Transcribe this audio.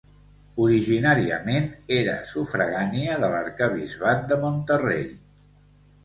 Originàriament era sufragània de l'arquebisbat de Monterrey.